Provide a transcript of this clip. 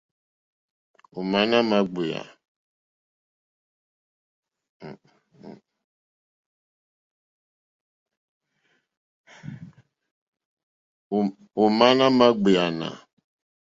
Ò má nà mà ɡbèáná.